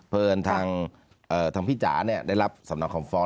เอิญทางพี่จ๋าได้รับสำนักคำฟ้อง